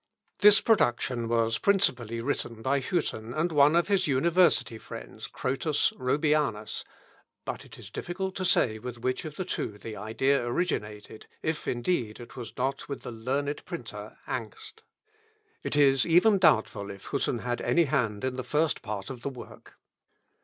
This production was principally written by Hütten, and one of his university friends, Crotus Robianus, but it is difficult to say with which of the two the idea originated, if, indeed, it was not with the learned printer, Angst. It is even doubtful if Hütten had any hand in the first part of the work.